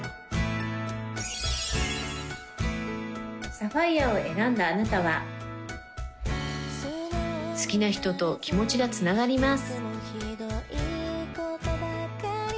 サファイヤを選んだあなたは好きな人と気持ちがつながります